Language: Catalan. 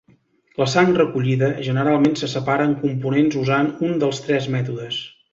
La sang recollida generalment se separa en components usant un dels tres mètodes.